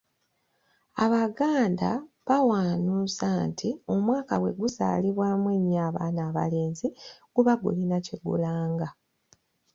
Abaganda bawanuuza nti omwaka bwe guzaalibwamu ennyo abaana abalenzi guba gulina kye gulanga.